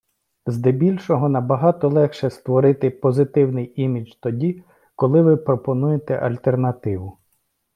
Здебільшого набагато легше створити позитивний імідж тоді, коли ви пропонуєте альтернативу.